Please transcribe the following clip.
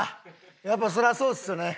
やっぱそりゃそうですよね。